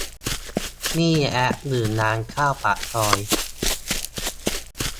นี่แอปหรือร้านข้าวปากซอย